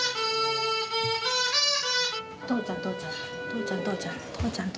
「父ちゃん父ちゃん。